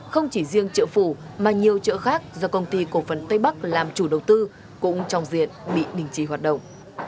không chỉ riêng chợ phủ mà nhiều chợ khác do công ty cổ phần tây bắc làm chủ đầu tư cũng trong diện bị đình chỉ hoạt động